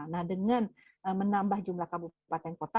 nah dengan menambah jumlah kabupaten kota